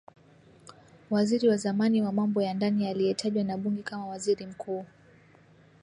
Waziri wa zamani wa mambo ya ndani aliyetajwa na bunge kama waziri mkuu.